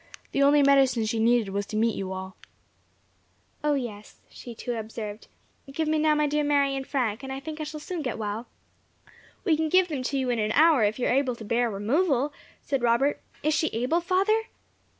The only medicine she needed was to meet you all." "O, yes," she too observed. "Give me now my dear Mary and Frank, and I think I shall soon get well." "We can give them to you in an hour, if you are able to bear removal," said Robert. "Is she able, father?"